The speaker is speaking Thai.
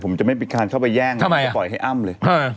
ผมจะไม่มีการเข้าไปแย่งผมจะปล่อยให้อ้ำเลย